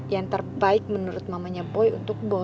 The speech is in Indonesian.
yang terbaik menurut mamanya boy untuk boy